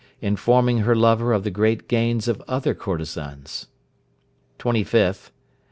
Informing her lover of the great gains of other courtezans. 25th.